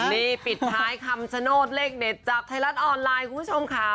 นี่ปิดท้ายคำชโนธเลขเด็ดจากไทยรัฐออนไลน์คุณผู้ชมค่ะ